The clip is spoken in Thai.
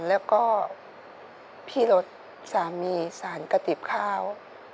แล้วก็พี่รถสามีสารกระติบข้าว